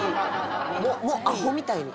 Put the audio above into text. もうアホみたいに。